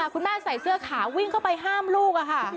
คุณแม่ใส่เสื้อขาววิ่งเข้าไปห้ามลูกค่ะ